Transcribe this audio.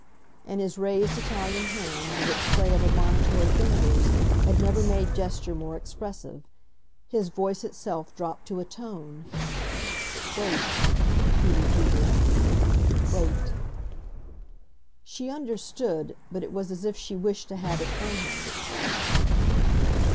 And his raised Italian hand, with its play of admonitory fingers, had never made gesture more expressive. His voice itself dropped to a tone ! "Wait," he repeated. "Wait." She understood, but it was as if she wished to have it from him.